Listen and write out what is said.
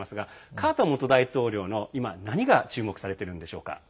カーター元大統領の今何が注目されているのでしょうか。